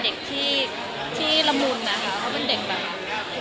และก็พร้อมที่จะรับมือเหมือนกัน